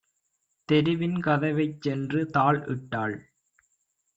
தெருவின் கதவைச் சென்றுதாழ் இட்டாள்.